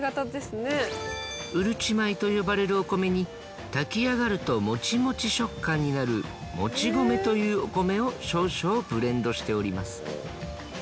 うるち米と呼ばれるお米に炊き上がるともちもち食感になるもち米というお米を少々ブレンドしております。